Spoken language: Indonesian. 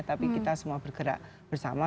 tapi kita semua bergerak bersama